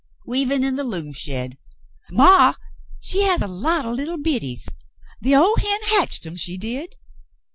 " "Weavin' in the loom shed. Maw, she has a lot o' little biddies. The ol' hen hatched 'em, she did."